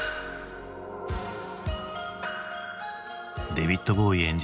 デヴィッド・ボウイ演じる